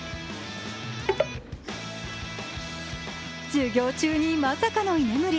授業中にまさかの居眠り。